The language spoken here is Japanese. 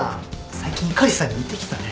最近碇さんに似てきたね。